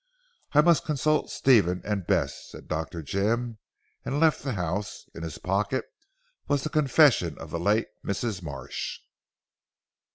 "I must consult Stephen and Bess," said Dr. Jim, and left the house. In his pocket was the confession of the late Mrs. Marsh.